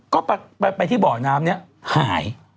ก็ไปที่บ่อน้ำนี้หาย